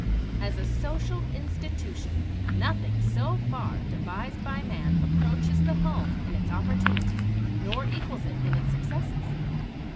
As a social institution nothing so far devised by man approaches the home in its opportunity, nor equals it in its successes.